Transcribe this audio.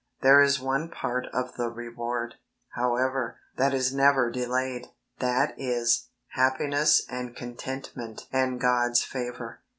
There is one part of the reward, however, that is never delayed, that is, happiness and contentment and God's favour.